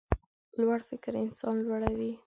لوړ فکر انسان لوړوي.